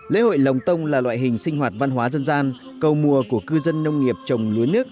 lễ hội lồng tông là loại hình sinh hoạt văn hóa dân gian cầu mùa của cư dân nông nghiệp trồng lúa nước